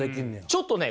ちょっとね